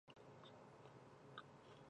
五代因之。